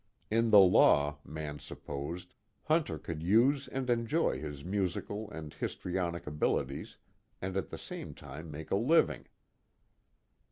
In the law, Mann supposed, Hunter could use and enjoy his musical and histrionic abilities and at the same time make a living.